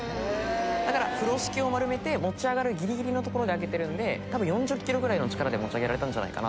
だから風呂敷を丸めて持ち上がるギリギリの所で上げてるんで多分４０ｋｇぐらいの力で持ち上げられたんじゃないかなと。